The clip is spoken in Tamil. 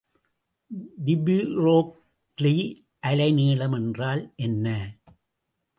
டி புரோக்ளி அலைநீளம் என்றால் என்ன?